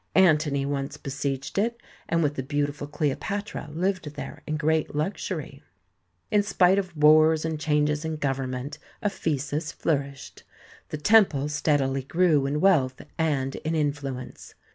Antony once besieged it, and with the beautiful Cleopatra lived there in great luxury. In spite of wars and changes in government, Ephesus flourished. The temple steadily grew in wealth and in influence.